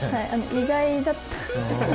意外だった。